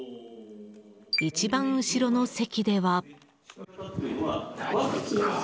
一番後ろの席では。